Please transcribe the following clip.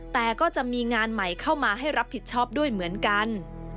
แต่ก็จะมีงานใหม่เข้ามาให้รับผิดชอบด้วยเหมือนกัน